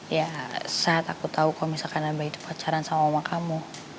ya saat aku tahu kalau misalkan abah itu pacaran sama omakamu